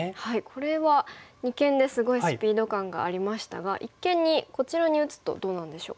これは二間ですごいスピード感がありましたが一間にこちらに打つとどうなんでしょうか。